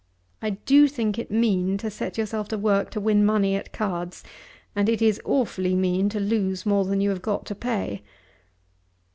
I do think it mean to set yourself to work to win money at cards, and it is awfully mean to lose more than you have got to pay.